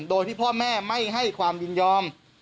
โดยที่พ่อแม่ไม่ให้ความยินยอม